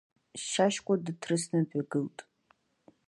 Шьашькәа дыҭрысны дҩагылт.